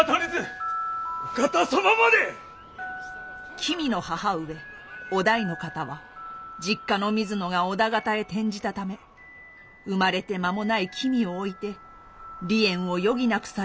君の母上於大の方は実家の水野が織田方へ転じたため生まれて間もない君を置いて離縁を余儀なくされたのでございます。